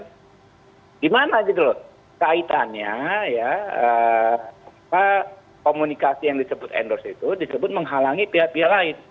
gimana gitu loh kaitannya ya komunikasi yang disebut endorse itu disebut menghalangi pihak pihak lain